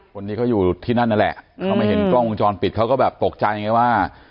คนที่เขาอยู่ที่นั่นนั่นแหละเขามาเห็นกล้องวงจรปิดเขาก็แบบตกใจไงว่า